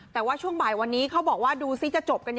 แต่ว่าช่วงบ่ายวันนี้เขาบอกว่าดูซิจะจบกัน